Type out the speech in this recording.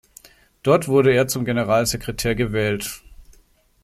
Dort wurde er zum Generalsekretär gewählt.